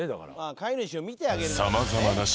飼い主を見てあげるんだね。